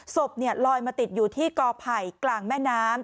ศพลอยมาติดอยู่ที่กอไผ่กลางแม่น้ำ